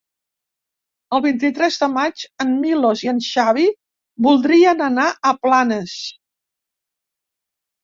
El vint-i-tres de maig en Milos i en Xavi voldrien anar a Planes.